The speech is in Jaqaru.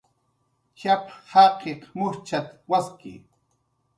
"Tx'ap"" jaqiq mujchat"" waski"